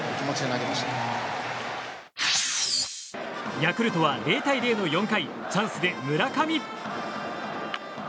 ヤクルトは０対０の４回チャンスで村上。